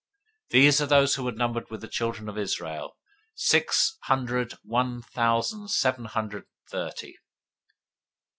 026:051 These are those who were numbered of the children of Israel, six hundred one thousand seven hundred thirty.